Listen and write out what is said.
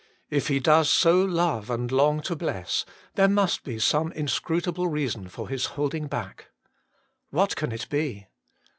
If He does so love and long to bless, there must be some inscrutable reason for His holding back. What can it be